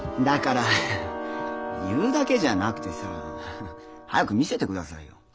だから言うだけじゃなくてさ早く見せて下さいよ。